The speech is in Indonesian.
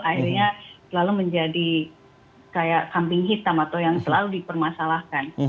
akhirnya selalu menjadi kayak kambing hitam atau yang selalu dipermasalahkan